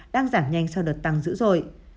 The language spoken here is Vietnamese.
đang giảm nhanh sau đợt tăng dữ rồi